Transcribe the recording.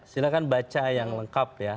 silahkan baca yang lengkap ya